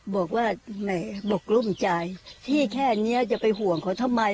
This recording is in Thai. บอกว่าแหมบอกกลุ้มใจที่แค่นี้จะไปห่วงเขาทำไม